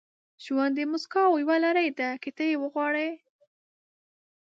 • ژوند د موسکاو یوه لړۍ ده، که ته وغواړې.